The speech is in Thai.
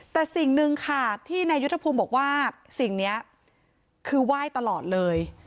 แต่สิ่งหนึ่งค่ะที่นายยุทธภูมิบอกว่าสิ่งนี้คือไหว้ตลอดเลย